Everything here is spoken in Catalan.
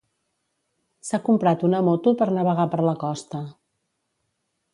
S'ha comprat una moto per navegar per la costa.